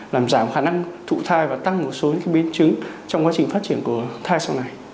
làm giảm khả năng thụ thai và tăng một số những biến chứng trong quá trình phát triển của thai sau này